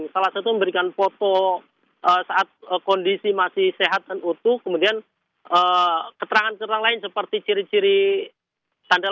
saat kondisi masih sehat dan utuh kemudian keterangan keterangan lain seperti ciri ciri sandal